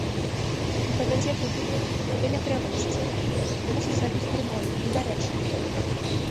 І павядзе туды, куды не трэба ісці, прымусіць рабіць дурное, недарэчнае.